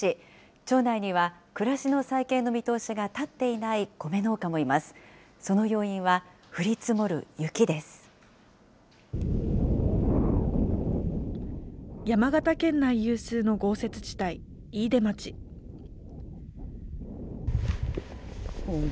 町内には暮らしの再建の見通しが立っていないコメ農家もいます。